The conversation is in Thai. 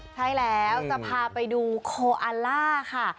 ใช่แล้วจะพาไปดูโคอัลล่าค่ะ